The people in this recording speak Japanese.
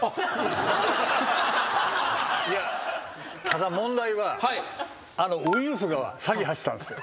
ただ問題はあのウィルスが先走ったんですよ。